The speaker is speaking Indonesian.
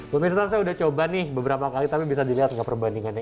pemirsa saya udah coba nih beberapa kali tapi bisa dilihat nggak perbandingannya